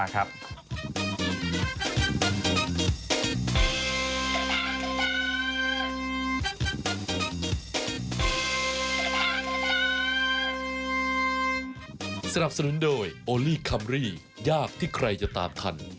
โอเคเดี๋ยวกลับมาครับ